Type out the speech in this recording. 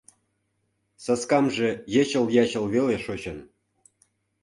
Саскамже йычыл-ячыл веле шочын!